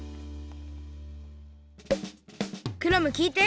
クラムきいて。